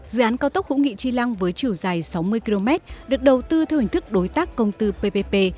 dự án cao tốc hữu nghị chi lăng với chiều dài sáu mươi km được đầu tư theo hình thức đối tác công tư ppp